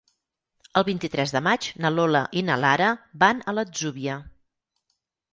El vint-i-tres de maig na Lola i na Lara van a l'Atzúbia.